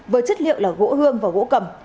với chất liệu là gỗ hương và gỗ cầm